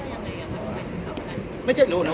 พี่อัดมาสองวันไม่มีใครรู้หรอก